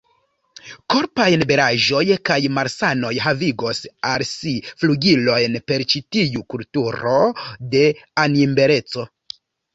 Korpaj nebelaĵoj kaj malsanoj havigos al si flugilojn per ĉi tiu kulturo de animbeleco.